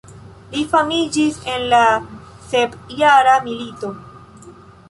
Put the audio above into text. Li famiĝis en la sepjara milito.